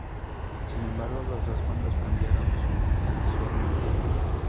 Sin embargo, los dos fondos cambiaron sustancialmente.